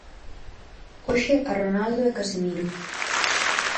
Hoxe a Ronaldo e Casemiro.